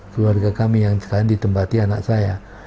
keluarga kami yang sekarang ditembati anak saya